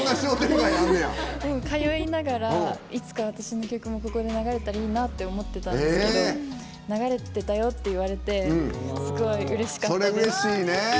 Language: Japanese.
通いながらいつか私の曲もここで流れたらいいなって思ってたんですけど流れてたよって言われてすごいうれしかったです。